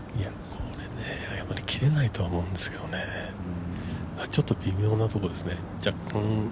これ、切れないと思うんですけどちょっと微妙なところですね。